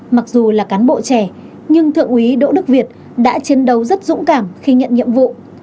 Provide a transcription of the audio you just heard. mặc dù là cán bộ trẻ nhưng thượng úy đỗ đức việt đã chiến đấu rất dũng cảm khi nhận nhiệm vụ